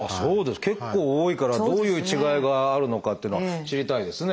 結構多いからどういう違いがあるのかっていうのは知りたいですね。